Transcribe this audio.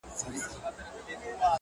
o زه يم دا مه وايه چي تا وړي څوك،